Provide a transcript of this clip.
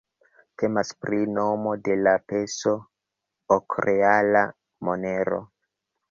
Temas pri nomo de la peso, ok-reala monero.